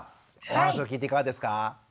お話を聞いていかがですか？